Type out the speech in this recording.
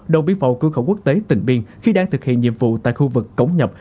đồng biên phòng cửa khẩu quốc tế tỉnh biên khi đang thực hiện nhiệm vụ tại khu vực cống nhập